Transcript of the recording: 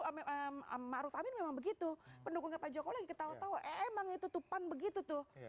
sama sama harus amin memang begitu pendukungnya pak jokowi ketawa ketawa emang itu tupang begitu tuh